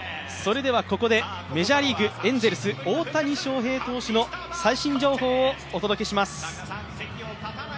ここでメジャーリーグ、エンゼルス・大谷翔平選手の最新情報をお伝えします。